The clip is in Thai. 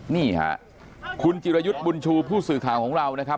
นี่ค่ะคุณจิรยุทธ์บุญชูผู้สื่อข่าวของเรานะครับ